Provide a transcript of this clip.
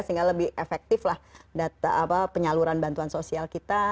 sehingga lebih efektif lah penyaluran bantuan sosial kita